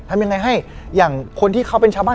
ทำยังไงให้อย่างคนที่เขาเป็นชาวบ้าน